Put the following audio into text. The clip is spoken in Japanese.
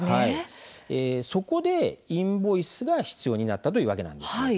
そこでインボイスが必要になったというわけです。